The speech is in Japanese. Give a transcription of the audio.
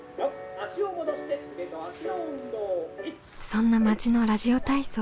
そんな町のラジオ体操。